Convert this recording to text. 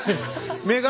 眼鏡。